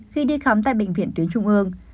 khi đi khám tại bệnh viện tuyến trung ương